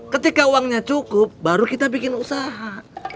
ketika uangnya cukup baru kita bikin usaha